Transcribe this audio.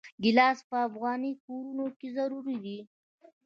ګیلاس په افغاني کورونو کې ضروري دی.